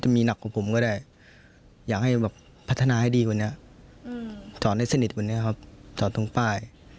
มันทำให้เราเหมือนรีบอะไรอย่างนี้